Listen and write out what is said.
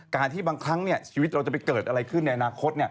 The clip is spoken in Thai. การที่บางครั้งชีวิตเราจะไปเกิดอะไรขึ้นในอนาคต